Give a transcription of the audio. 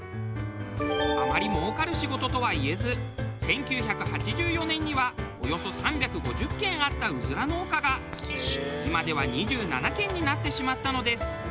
あまりもうかる仕事とは言えず１９８４年にはおよそ３５０軒あったうずら農家が今では２７軒になってしまったのです。